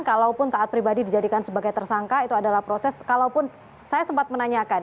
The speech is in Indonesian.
kalaupun taat pribadi dijadikan sebagai tersangka itu adalah proses kalaupun saya sempat menanyakan